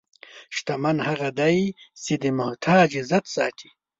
شتمن هغه دی چې د محتاج عزت ساتي.